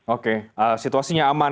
oke situasinya aman